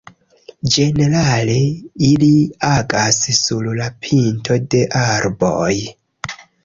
Ĝenerale ili agas sur la pinto de arboj.